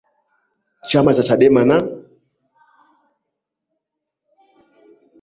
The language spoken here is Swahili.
chama cha chadema na